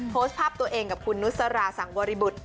โพสต์ภาพตัวเองกับคุณนุษราสังบริบุตร